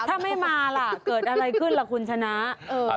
ถ้าไม่มาล่ะเกิดอะไรขึ้นล่ะคุณชนะ